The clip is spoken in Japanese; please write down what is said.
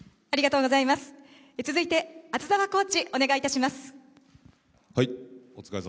続いて、厚澤コーチお願いいたします。